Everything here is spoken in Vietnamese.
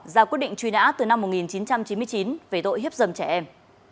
ra quyết định truy nã từ năm một nghìn chín trăm chín mươi chín về tội hiếp dâm trẻ em